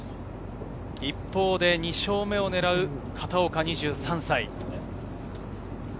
一方で２勝目を狙う片岡、２３歳。